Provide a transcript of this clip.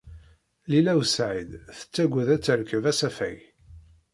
Lila u Saɛid tettagad ad terkeb asafag.